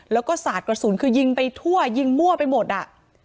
แล้วก็สาดกระสุนคือยิงไปทั่วยิงมั่วไปหมดอ่ะ